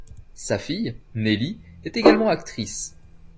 Sa fille, Nellie, est également actrice.